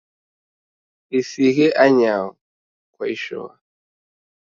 Isighe anyao kwaishoa